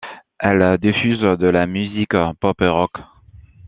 Elle diffuse de la musique pop et rock.